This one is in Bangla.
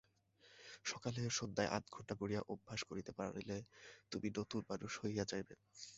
সকালে ও সন্ধ্যায় আধঘণ্টা করিয়া অভ্যাস করিতে পারিলে তুমি নূতন মানুষ হইয়া যাইবে।